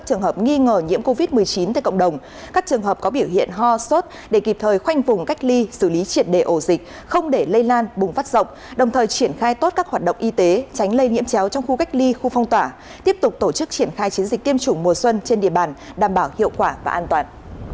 trường hợp nghi ngờ nhiễm covid một mươi chín tại cộng đồng các trường hợp có biểu hiện ho sốt để kịp thời khoanh vùng cách ly xử lý triệt đề ổ dịch không để lây lan bùng phát rộng đồng thời triển khai tốt các hoạt động y tế tránh lây nhiễm chéo trong khu cách ly khu phong tỏa tiếp tục tổ chức triển khai chiến dịch tiêm chủng mùa xuân trên địa bàn đảm bảo hiệu quả và an toàn